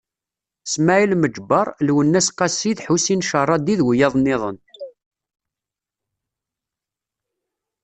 Smaɛil Meǧber, Lwennas Qasi d Ḥusin Cerradi d wiyaḍ-nniḍen.